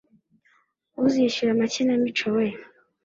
uzishyura amakinamico wee